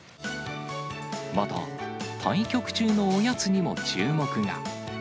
また、対局中のおやつにも注目が。